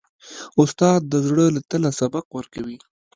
استاد د زړه له تله سبق ورکوي.